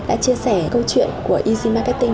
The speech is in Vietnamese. đã chia sẻ câu chuyện của easy marketing